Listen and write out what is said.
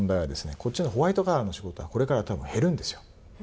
こっちのホワイトカラーの仕事はこれから、たぶん減るんですよ。